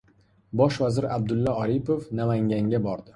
Bosh vazir Abdulla Aripov Namanganga bordi